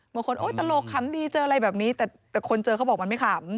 โอ๊ยตลกขำดีเจออะไรแบบนี้แต่คนเจอเขาบอกมันไม่ขำ